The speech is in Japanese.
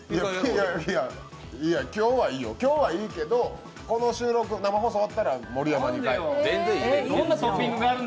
いや今日はいいよ、今日はいいけどこの収録、生放送終わったら盛山に戻る。